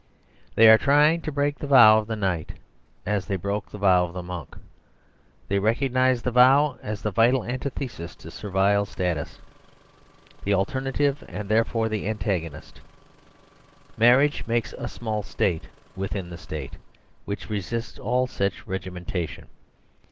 They are trying to break the vow of the knight as they broke the vow of the monk. They rec ognise the vow as the vital antithesis to servile status; the alternative and therefore the an tagonist Marriage makes a small state The Story of the Foto 101 within the state, which resists all such regi mentation.